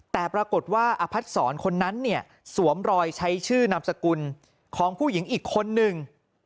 แต่ปรากฏว่าอพัดศรคนนั้นเนี่ยสวมรอยใช้ชื่อนามสกุลของผู้หญิงอีกคนนึง